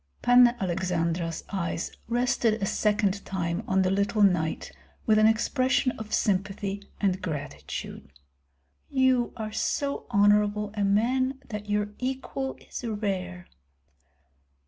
Panna Aleksandra's eyes rested a second time on the little knight with an expression of sympathy and gratitude. "You are so honorable a man that your equal is rare."